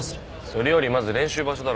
それよりまず練習場所だろ。